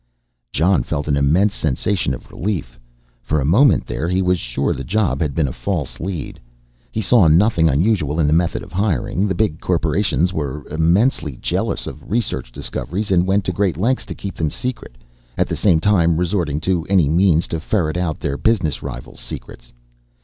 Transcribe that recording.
_ Jon felt an immense sensation of relief. For a moment there, he was sure the job had been a false lead. He saw nothing unusual in the method of hiring. The big corporations were immensely jealous of their research discoveries and went to great lengths to keep them secret at the same time resorting to any means to ferret out their business rivals' secrets.